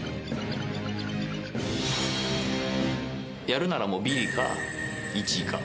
やるならもう、ビリか１位か。